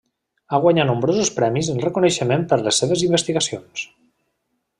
Ha guanyat nombrosos premis en reconeixement per les seves investigacions.